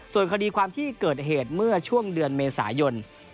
ส่วนคดีความที่เกิดเหตุเมื่อช่วงเดือนเมษายน